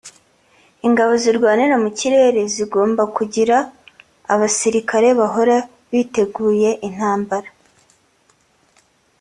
Ingabo zirwanira mu kirere zigomba kugira abasirikare bahora biteguriye intambara